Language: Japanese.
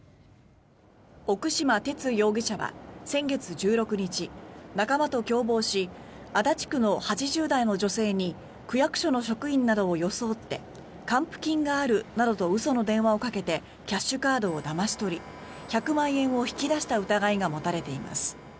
奥島哲容疑者は先月１６日仲間と共謀し足立区の８０代の女性に区役所の職員などを装って還付金があるなどと嘘の電話をかけてキャッシュカードをだまし取り１００万円を引き出した疑いが持たれています。